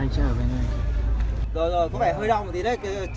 có vẻ hơi đỏ một tí đấy